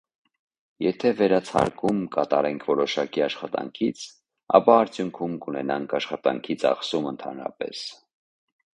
Եթե վերացարկում կատարենք որոշակի աշխատանքից, ապա արդյունքում կունենանք աշխատանքի ծախսում ընդհանրապես։